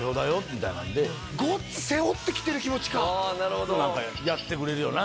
みたいなんで「ごっつ」背負ってきてる気持ちか何かやってくれるよな？